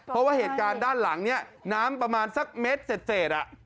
เพราะว่าเหตุการณ์ด้านหลังเนี่ยน้ำประมาณสักเมตรเสร็จ